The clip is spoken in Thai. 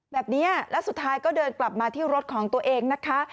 แบบนี้แล้วสุดท้ายก็เดินกลับมาที่รถของตัวเองนะคะ